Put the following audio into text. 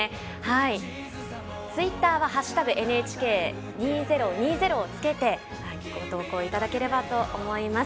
ツイッターは「＃ＮＨＫ２０２０」をつけてご投稿いただければと思います。